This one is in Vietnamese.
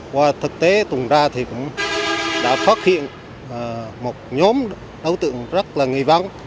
qua thực tế tuần ra thì cũng đã phát hiện một nhóm đối tượng rất là nghi vắng